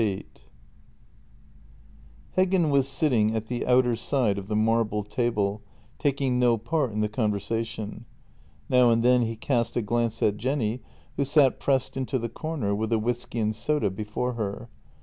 VIII H EGGEN was sitting at the outer side of the marble table, taking no part in the conversation; now and then he cast a glance at Jenny, who sat pressed into the corner, with a whisky and soda before her.